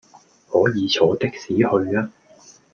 可以坐的士去吖